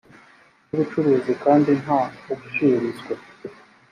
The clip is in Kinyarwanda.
by ubucuruzi kandi nta ushinzwe